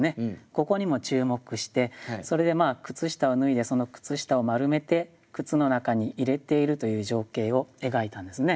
ここにも注目してそれで靴下を脱いでその靴下を丸めて靴の中に入れているという情景を描いたんですね。